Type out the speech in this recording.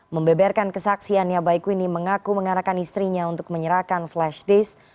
membeberkan kesaksiannya baikwini mengaku mengarahkan istrinya untuk menyerahkan flash disk